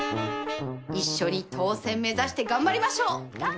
一緒に当選目指して頑張りましょう！